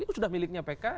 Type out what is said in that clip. ini sudah miliknya pks